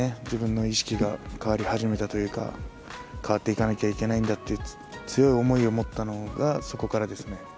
自分の意識が変わり始めたというか変わっていかなければいけないという強い思いを持ったのがそこからです。